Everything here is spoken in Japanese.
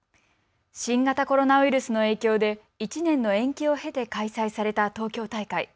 新型コロナウイルスの影響で１年の延期を経て開催された東京大会。